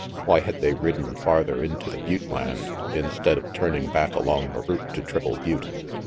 Why had they ridden farther into the butte land, instead of turning back along the route to Triple Butte?